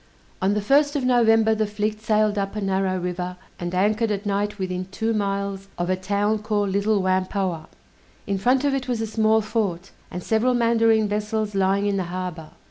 On the first of November, the fleet sailed up a narrow river, and anchored at night within two miles of a town called Little Whampoa. In front of it was a small fort, and several mandarine vessels lying in the harbor.